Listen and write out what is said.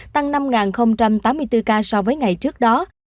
tăng năm tám mươi bốn ca so với ngày trước đó